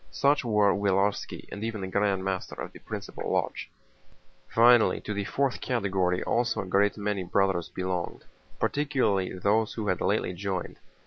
Such were Willarski and even the Grand Master of the principal lodge. Finally, to the fourth category also a great many Brothers belonged, particularly those who had lately joined.